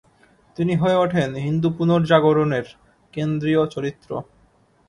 তিনি হয়ে ওঠেন হিন্দু পুনর্জাগরণের কেন্দ্রীয় চরিত্র।